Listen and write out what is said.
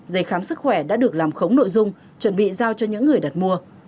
giải đã được làm khống nội dung chuẩn bị giao cho những người đặt mua